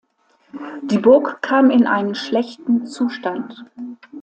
Die Burg kam in einen schlechten Zustand.